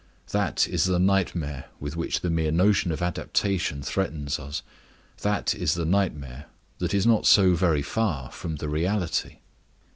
That is the nightmare with which the mere notion of adaptation threatens us. That is the nightmare that is not so very far from the reality.